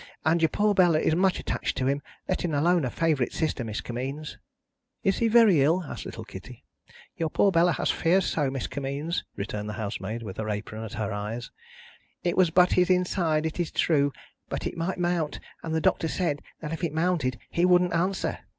And your poor Bella is much attached to him, letting alone her favourite sister, Miss Kimmeens." "Is he very ill?" asked little Kitty. "Your poor Bella has her fears so, Miss Kimmeens," returned the housemaid, with her apron at her eyes. "It was but his inside, it is true, but it might mount, and the doctor said that if it mounted he wouldn't answer."